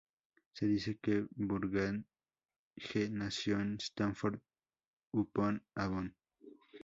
Se dice que Burbage nació en Stratford-upon-Avon.